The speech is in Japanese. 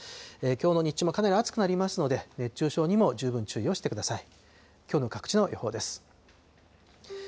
きょうの日中もかなり暑くなりますので、熱中症にも十分注意をしてください。